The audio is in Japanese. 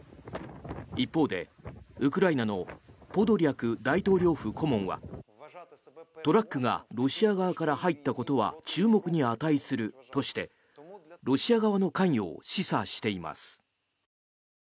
一方で、ウクライナのポドリャク大統領府顧問はトラックがロシア側から入ったことは注目に値するとしてロシア側の関与を示唆しています。